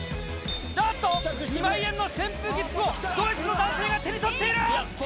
あっと、２万円の扇風機服をドイツの男性が手に取っている。